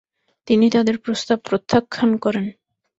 তিনি তাদের প্রস্তাব প্রত্যাখ্যান করেন।